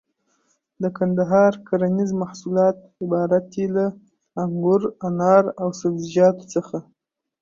د کندهار مهم کرنيز محصولات عبارت دي له: انګور، انار او سبزيجاتو څخه.